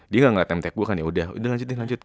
dia nggak ngeliat mtk gue kan yaudah lanjutin lanjutin